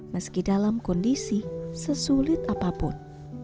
meski dalam kondisi sesulit apapun